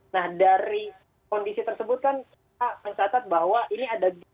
nah dari kondisi tersebut kan kita mencatat bahwa ini ada